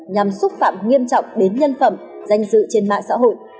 nhằm xúc phạm nghiêm trọng đến nhân phẩm danh dự trên mạng xã hội